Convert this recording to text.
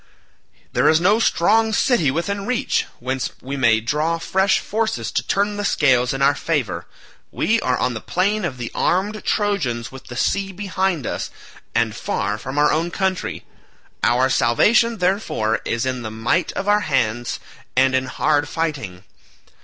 There is no strong city within reach, whence we may draw fresh forces to turn the scales in our favour. We are on the plain of the armed Trojans with the sea behind us, and far from our own country. Our salvation, therefore, is in the might of our hands and in hard fighting."